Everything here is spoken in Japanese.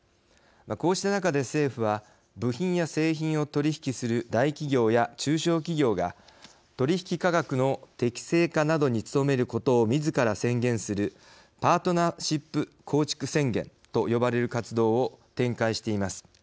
こうした中で政府は部品や製品を取り引きする大企業や中小企業が取引価格の適正化などに努めることをみずから宣言するパートナーシップ構築宣言と呼ばれる活動を展開しています。